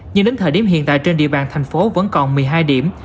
nhưng đến thời điểm hiện tại trên địa bàn thành phố vẫn còn một mươi hai điểm